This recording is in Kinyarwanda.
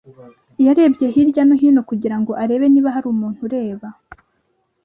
yarebye hirya no hino kugira ngo arebe niba hari umuntu ureba.